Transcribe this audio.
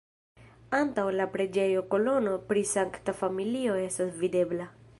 Antaŭ la preĝejo kolono pri Sankta Familio estas videbla.